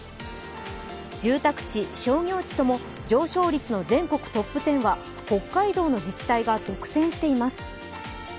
住宅地・商業地とも上昇率の全国トップ１０は北海道の自治体が独占しています。